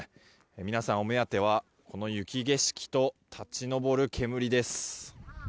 皆さん、お目当てはこの雪景色と立ち上る煙です。